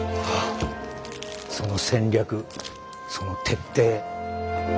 その戦略その徹底